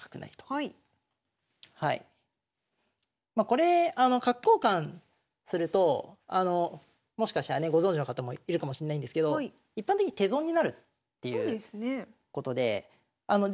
これ角交換するともしかしたらねご存じの方もいるかもしれないんですけど一般的に手損になるそうですね。